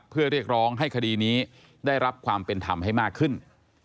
เพื่อเรียกร้องให้คดีนี้ได้รับความเป็นธรรมให้มากขึ้น